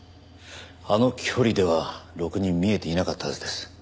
あの距離ではろくに見えていなかったはずです。